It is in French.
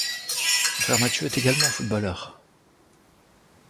Son frère Mathieu est également footballeur.